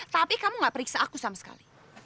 tapi kamu gak periksa aku sama sekali